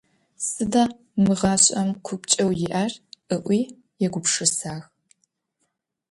Сыда мы гъашӀэм купкӀэу иӀэр?- ыӀуи егупшысагъ.